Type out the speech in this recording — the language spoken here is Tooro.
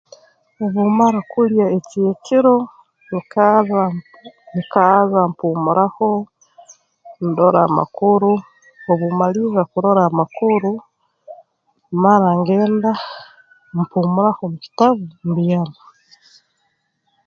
Obu mmara kulya eky'ekiro nyikarra nyikarra mpuumuraho ndora amakuru obu mmalirra kurora makuru mmara ngenda mpuumuraho omu kitabu mbyama